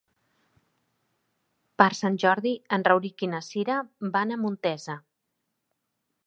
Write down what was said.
Per Sant Jordi en Rauric i na Cira van a Montesa.